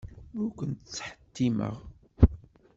Ur ken-ttḥettimeɣ.